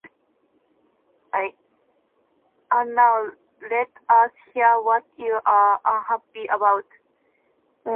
And now, let us hear what you are unhappy about.